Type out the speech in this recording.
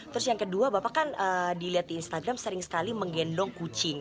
terus yang kedua bapak kan dilihat di instagram sering sekali menggendong kucing